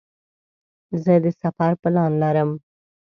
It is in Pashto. زه د سفر پلان لرم.